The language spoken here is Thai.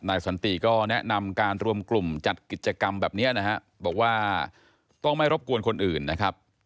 สันติก็แนะนำการรวมกลุ่มจัดกิจกรรมแบบนี้นะฮะบอกว่าต้องไม่รบกวนคนอื่นนะครับ